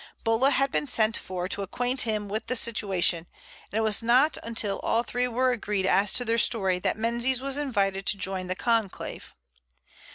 Bulla had been sent for to acquaint him with the situation, and it was not until all three were agreed as to their story that Menzies was invited to join the conclave.